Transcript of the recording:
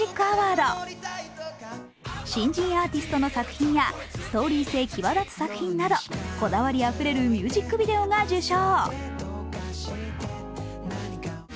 新人アーティストの作品やストーリー性際立つ作品などこだわりあふれるミュージックビデオが受賞。